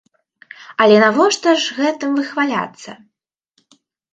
Але навошта ж гэтым выхваляцца?